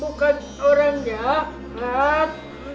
bukan orang dekat